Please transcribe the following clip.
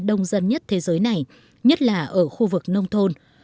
ở thế giới này nhất là ở khu vực nông thôn